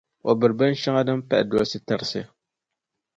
o biri binshɛŋa din pahi dolisi putarisi.